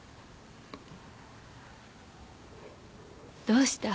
どうした？